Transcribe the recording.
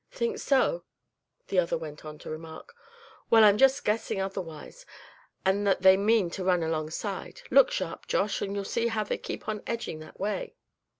"Think so?" the other went on to remark, "well, I'm just guessing otherwise, and that they mean to run alongside. Look sharp, Josh, and you'll see how they keep on edging that way."